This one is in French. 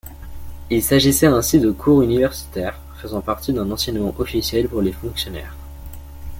Il s'agissait ainsi de cours universitaires, faisant partie d'un enseignement officiel pour les fonctionnaires.